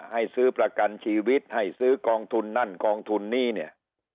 ให้ซื้อประกันชีวิตให้ซื้อกองทุนนั่นกองทุนนี้เนี่ย